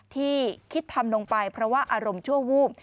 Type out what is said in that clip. ที่คิดทำลงไปเพราะว่าอารมณ์ชั่ววูบ